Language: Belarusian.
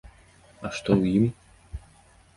А што ў ім?